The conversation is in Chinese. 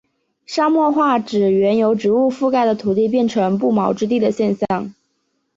沙漠化指原由植物覆盖的土地变成不毛之地的现象。